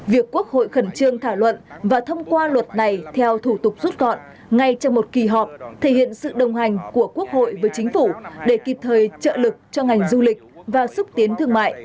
việc quốc hội khẩn trương thảo luận và thông qua luật này theo thủ tục rút gọn ngay trong một kỳ họp thể hiện sự đồng hành của quốc hội với chính phủ để kịp thời trợ lực cho ngành du lịch và xúc tiến thương mại